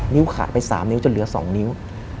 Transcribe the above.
ขาดไป๓นิ้วจนเหลือ๒นิ้ว